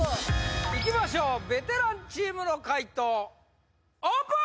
いきましょうベテランチームの解答オープン！